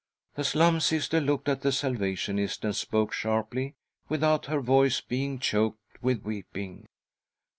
■ The Slum Sister looked at the Salvationist, and spoke sharply, without her voice being choked with weeping.